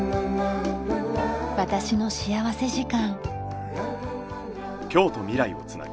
『私の幸福時間』。